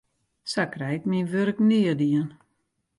Sa krij ik myn wurk nea dien.